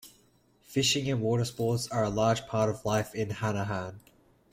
Fishing and water sports are a large part of life in Hanahan.